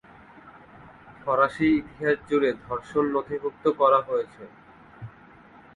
ফরাসি ইতিহাস জুড়ে ধর্ষণ নথিভুক্ত করা হয়েছে।